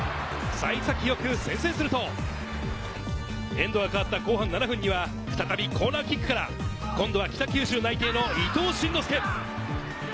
幸先よく先制すると、エンドが変わった後半７分には再びコーナーキックから今度は北九州内定の伊東進之輔。